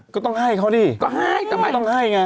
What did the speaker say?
ก็ต้องให้เขาดิก็ให้แต่ไม่ต้องให้ไง